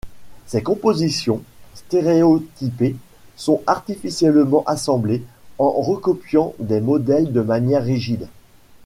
Ses compositions, stéréotypées, sont artificiellement assemblées en recopiant des modèles de manière rigide.